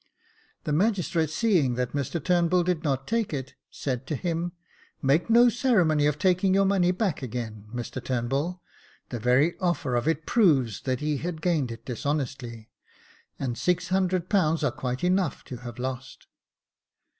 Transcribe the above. The magistrate, seeing that Mr Turnbull did not take it, said to him, " Make no ceremony of taking your money back again, Mr Turnbull; the very offer of it proves that he has gained it dishonestly ; and ^600 are quite enough to have lost."